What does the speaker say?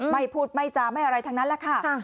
ไม่พูดไม่จาไม่อะไรทั้งนั้นแหละค่ะ